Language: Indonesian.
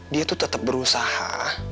dia tuh tetep berusaha